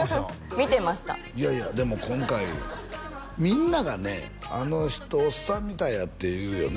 見てましたいやいやでも今回みんながねあの人おっさんみたいやって言うよね